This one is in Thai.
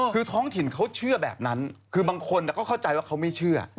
คือท้องถิ่นเขาเชื่อแบบนั้นคือบางคนก็เข้าใจว่าเขาไม่เชื่อ